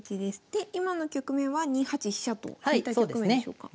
で今の局面は２八飛車と引いた局面でしょうか？